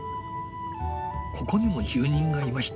ここにも住人がいました。